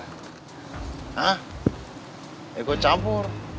hah ikut campur